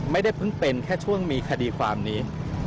ไม่ได้เพิ่งเป็นแค่ช่วงมีคดีความนี้